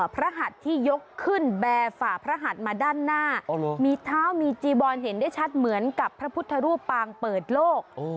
หัดที่ยกขึ้นแบร์ฝ่าพระหัดมาด้านหน้ามีเท้ามีจีวอนเห็นได้ชัดเหมือนกับพระพุทธรูปปางเปิดโลก